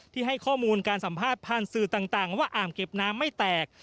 ให้ข้อมูลการสัมภาษณ์ผ่านสื่อต่างว่าอ่างเก็บน้ำไม่แตก